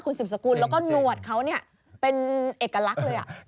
ถ้าคุณสึบสกุลแล้วก็หนวดเขาเป็นเอกลักษณ์